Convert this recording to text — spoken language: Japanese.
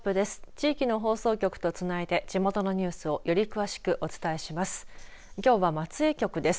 地域の放送局とつないで地元のニュースをより詳しくお伝えします。